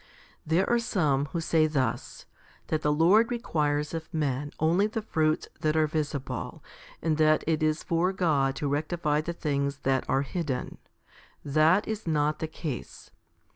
There are some who say thus that the Lord requires of men only the fruits that are visible, and that it is for God to rectify the things that are hidden. That is not the case.